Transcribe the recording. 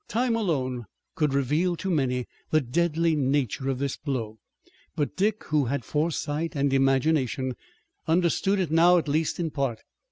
Time alone could reveal to many the deadly nature of this blow, but Dick, who had foresight and imagination, understood it now at least in part.